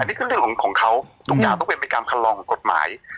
นี่คือเรื่องของเขาทุกอย่างต้องเป็นไปตามคันลองของกฎหมาย